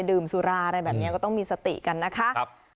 ดื่มสุราอะไรแบบนี้ก็ต้องมีสติกันนะคะ